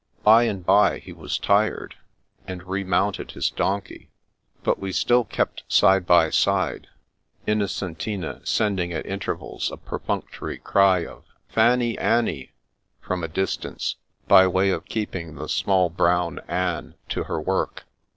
By and bye, he was tired, and remounted his donkey, but we still kept side by side, Innocentina sending at inter vals a perfunctory cry of " Fanny anny," from a distance, by way of keeping the small brown ane to her work.